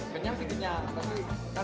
kenyang sih kenyang